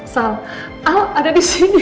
sal al ada di sini